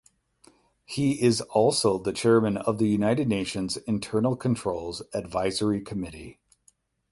He is also the chairman of the United Nations Internal controls Advisory Committee.